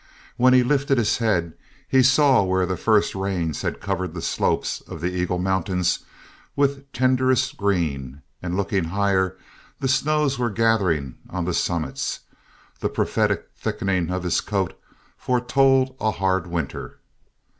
When he lifted his head, he saw where the first rains had covered the slopes of the Eagle Mountains with tenderest green, and looking higher, the snows were gathering on the summits. The prophetic thickening of his coat foretold a hard winter.